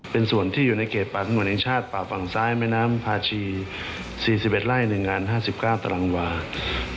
เป็นส่วนที่อยู่ในเขตป่าสงวนแห่งชาติป่าฝั่งซ้ายแม่น้ำพาชี๔๑ไร่๑งาน๕๙ตารางวา